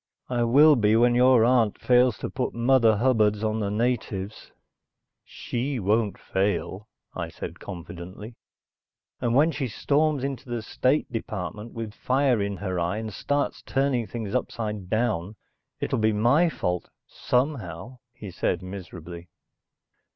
"I will be when your aunt fails to put mother hubbards on the natives." "She won't fail," I said confidently. "And when she storms into the State Department with fire in her eye and starts turning things upside down, it'll be my fault somehow," he said miserably.